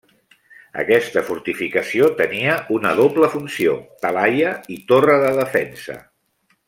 Aquesta fortificació tenia una doble funció: talaia i torre de defensa.